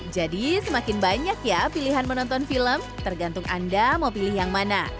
jadi semakin banyak ya pilihan menonton film tergantung anda mau pilih yang mana